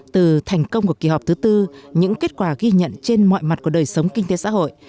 từ thành công của kỳ họp thứ tư những kết quả ghi nhận trên mọi mặt của đời sống kinh tế xã hội